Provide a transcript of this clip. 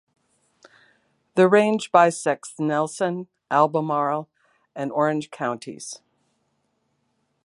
The range bisects Nelson, Albemarle, and Orange counties.